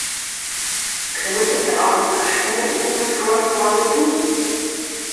Können bitte auch ein paar Stimmenimitatoren vorlesen?